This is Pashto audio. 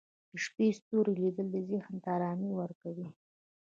د شپې ستوري لیدل ذهن ته ارامي ورکوي